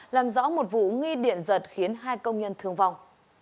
làm rõ một vụ nghi điện giật khiến hai công nhân thương vong